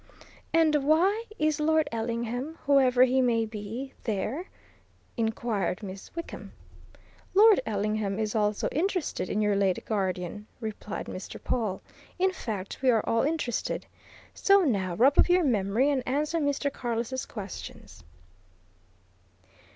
"And why is Lord Ellingham, whoever he may be, there?" inquired Miss Wickham. "Lord Ellingham is also interested in your late guardian," replied Mr. Pawle. "In fact, we are all interested. So now, rub up your memory and answer Mr. Carless' questions."